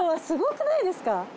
すごくないですか？